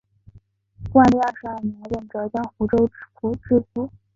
万历二十二年任浙江湖州府知府。